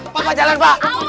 papa jalan pak